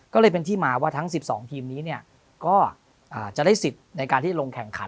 ก็เลยเป็นที่มาว่าทั้ง๑๒ทีมนี้ก็จะได้สิทธิ์ในการที่จะลงแข่งขัน